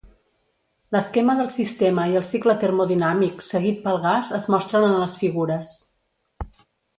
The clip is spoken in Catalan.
L'esquema del sistema i el cicle termodinàmic seguit pel gas es mostren en les figures.